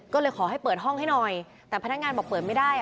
ก็เลยขอให้เปิดห้องให้หน่อยแต่พนักงานบอกเปิดไม่ได้